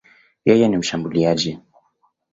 Yeye ni mshambuliaji.